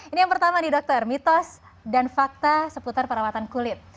ini yang pertama nih dokter mitos dan fakta seputar perawatan kulit